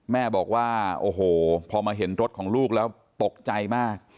แม่บอกว่าโอ้โหพอมาเห็นรถของลูกแล้วตกใจมาก